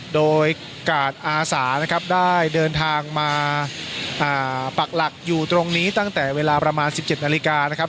โดยกาดอาสานะครับได้เดินทางมาปักหลักอยู่ตรงนี้ตั้งแต่เวลาประมาณ๑๗นาฬิกานะครับ